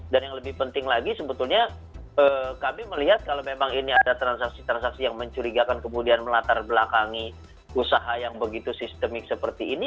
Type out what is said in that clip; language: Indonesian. dan yang lebih penting lagi sebetulnya kami melihat kalau memang ini ada transaksi transaksi yang mencurigakan kemudian melatar belakangi usaha yang begitu sistemik seperti ini